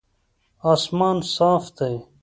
اسمان صاف دی